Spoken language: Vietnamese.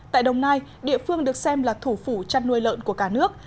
tại đồng nai địa phương được xem là thủ phủ chăn nuôi lợn của cả nước